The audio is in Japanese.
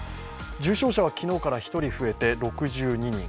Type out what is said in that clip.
重症者は昨日から１人増えて６４人。